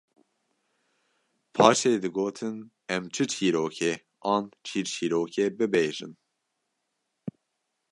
paşê digotin: Em çi çîrokê an çîrçîrokê bibêjin